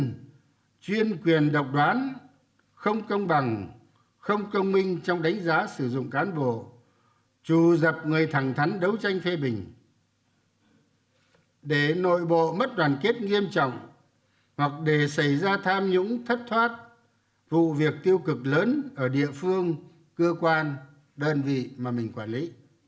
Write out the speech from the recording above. mỹ dân chuyên quyền độc đoán không công bằng không công minh trong đánh giá sử dụng cán bộ trù dập người thẳng thắn đấu tranh phê bình để nội bộ mất đoàn kết nghiêm trọng hoặc để xảy ra tham nhũng thất thoát vụ việc tiêu cực lớn ở địa phương cơ quan đơn vị mà mình quản lý